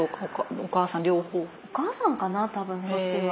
お母さんかな多分そっちは。